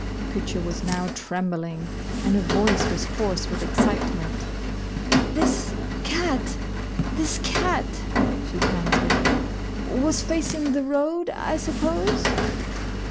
Pitcher was now trembling and her voice was hoarse with excitement. "This cat — this cat," she panted, "was facing the road, I suppose